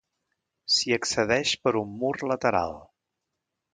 S'hi accedeix per un mur lateral.